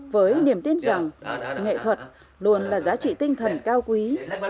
với niềm tin rằng nghệ thuật luôn là giá trị tinh thần cao quý